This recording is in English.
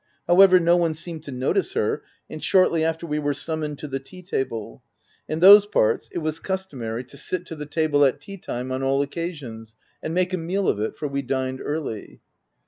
However, no one seemed to notice her, and shortly after, we were summoned to the tea table ; in those parts it was customary to sit to the table at tea time, on all occasions, and make a meal of it ; for we dined early.